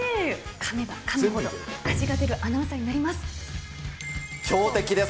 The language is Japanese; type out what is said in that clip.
かめばかむほど味が出るアナウンサーになります。